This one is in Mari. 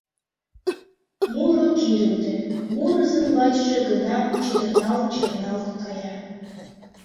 Муро кӱрылтӧ, мурызын вачыже гына чытырналт-чытырналт кая.